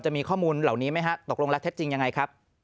จะมีข้อมูลเหล่านี้ไหมฮะตกลงแล้วเท็จจริงยังไงครับ